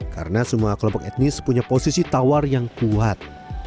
karena semua kelompok etnis punya posisi tawar yang kuat